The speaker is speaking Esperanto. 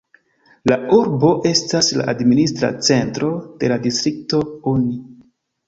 La urbo estas la administra centro de la distrikto Oni.